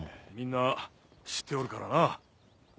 みんな知っておるからな。